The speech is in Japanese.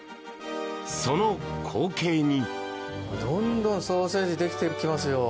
その光景に。